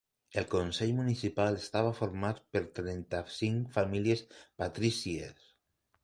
El consell municipal estava format per trenta-cinc famílies patrícies.